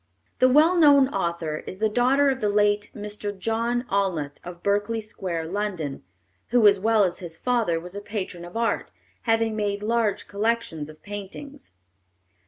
The well known author is the daughter of the late Mr. John Alnutt of Berkley Square, London, who, as well as his father, was a patron of art, having made large collections of paintings.